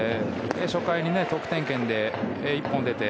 初回に得点圏で１本が出て。